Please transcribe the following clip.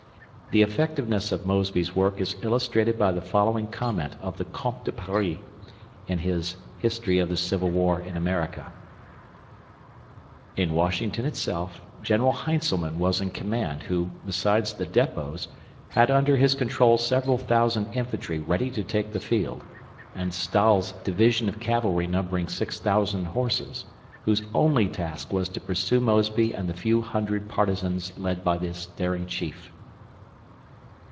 The effectiveness of Mosby's work is illustrated by the following comment of the Comte de Paris in his "History of the Civil War in America": In Washington itself, General Heintzelman was in command, who, besides the depots ... had under his control several thousand infantry ready to take the field, and Stahel's division of cavalry numbering 6,000 horses, whose only task was to pursue Mosby and the few hundred partisans led by this daring chief.